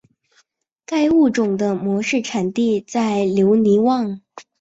该物种的模式产地在留尼汪。